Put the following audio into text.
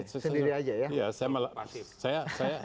sendiri aja ya